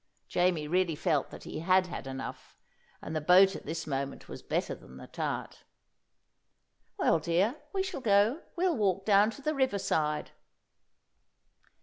Jamie really felt that he had had enough, and the boat at this moment was better than the tart. "Well, dear, you shall go. We'll walk down to the river side."